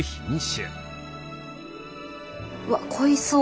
うわっ濃いそう。